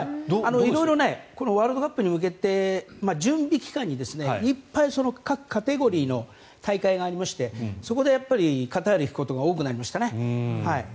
色々このワールドカップに向けて準備期間にいっぱい各カテゴリーの大会がありましてそこでカタールに行くことが多くなりましたね。